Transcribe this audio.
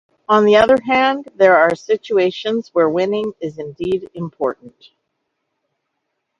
On the other hand, there are situations where winning is indeed important.